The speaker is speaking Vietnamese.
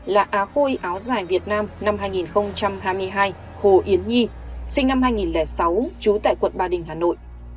là á khôi áo dài việt nam năm hai nghìn hai mươi hai hồ yến nhi sinh năm hai nghìn sáu trú tại quận ba đình hà nội